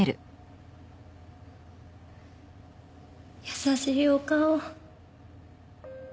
優しいお顔。